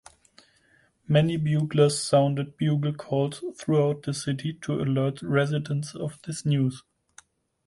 Many buglers sounded bugle calls throughout the city to alert residents of this news.